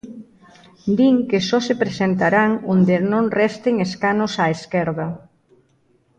Din que só se presentarán onde non resten escanos á esquerda.